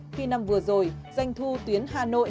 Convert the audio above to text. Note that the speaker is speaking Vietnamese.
khi năm vừa rồi doanh thu tuyến hà nội